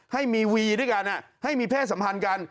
ให้มีวีด้วยกันให้มีเพศสัมพันธ์กัน